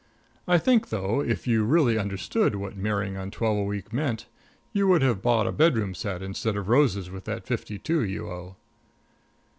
I think, though, if you really understood what marrying on twelve a week meant, you would have bought a bedroom set instead of roses with that fifty two you owe.